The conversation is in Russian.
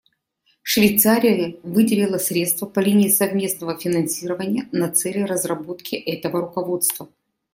Швейцария выделила средства по линии совместного финансирования на цели разработки этого руководства.